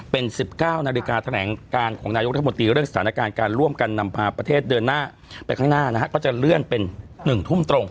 เป็น๑๙นาฬิกาแถลงการของนายกรัฐมนตรีเรื่องสถานการณ์การร่วมกันนำพาประเทศเดินหน้าไปข้างหน้านะฮะก็จะเลื่อนเป็น๑ทุ่มตรง